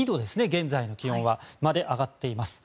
現在の気温は。まで上がっています。